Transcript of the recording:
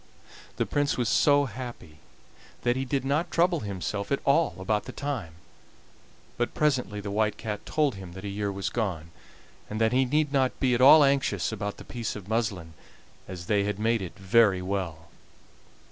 The Prince was so happy that he did not trouble himself at all about the time, but presently the White Cat told him that the year was gone, and that he need not be at all anxious about the piece of muslin, as they had made it very well.